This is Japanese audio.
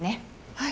はい。